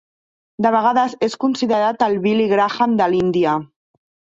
De vegades és considerat el "Billy Graham de l'Índia".